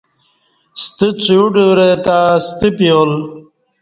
ستہ څویوڈورہ تہ ستہ پیال